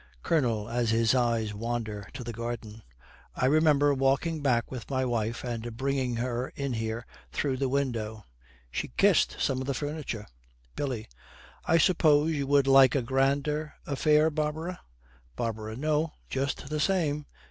COLONEL, as his eyes wander to the garden, 'I remember walking back with my wife and bringing her in here through the window. She kissed some of the furniture.' BILLY. 'I suppose you would like a grander affair, Barbara?' BARBARA. 'No, just the same.'